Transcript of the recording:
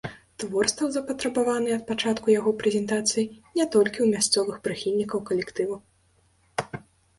Твор стаў запатрабаваны ад пачатку яго прэзентацыі не толькі ў мясцовых прыхільнікаў калектыву.